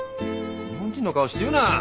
日本人の顔して言うな！